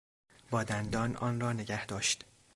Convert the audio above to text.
با دندان آن را نگهداشت.